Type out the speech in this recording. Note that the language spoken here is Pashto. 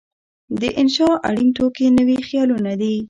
د انشأ اړین توکي نوي خیالونه دي.